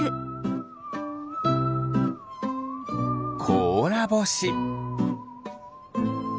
こうらぼし。